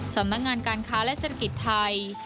สมัครงานสนัดการคาร้ายเศรษฐกิจไทย